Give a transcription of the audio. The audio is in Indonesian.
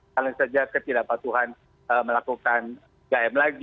kalian saja ketidakpatuhan melakukan gam lagi